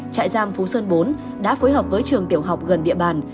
trại giam phú sơn bốn đã phối hợp với trường tiểu học gần địa bàn